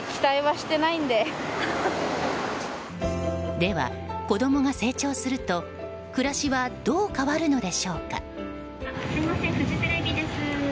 では、子供が成長すると暮らしはどう変わるのでしょうか。